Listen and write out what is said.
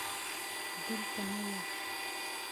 دلته نه و.